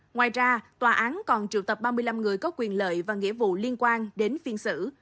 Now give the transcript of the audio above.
ngoài ra tòa án còn triệu tập ba mươi năm người có quyền lợi và nghĩa vụ liên quan đến phiên xử